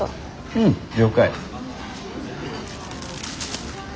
うん了解。